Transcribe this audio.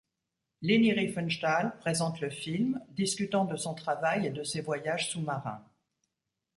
Leni Riefenstahl présente le film, discutant de son travail et de ses voyages sous-marins.